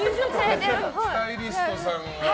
スタイリストさんがね。